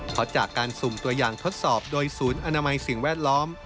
เพราะจากการสุ่มตัวอย่างทดสอบโดยศูนย์อนามัยสิ่งแวดล้อม